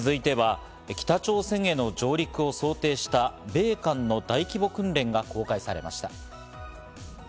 続いては北朝鮮への上陸を想定した米韓の大規模訓練が公開されました。